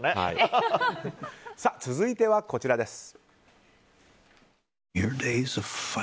続いては、こちらです。